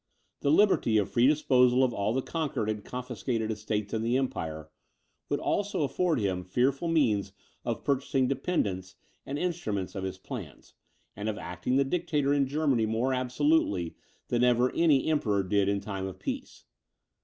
The liberty of free disposal of all the conquered and confiscated estates in the empire, would also afford him fearful means of purchasing dependents and instruments of his plans, and of acting the dictator in Germany more absolutely than ever any Emperor did in time of peace.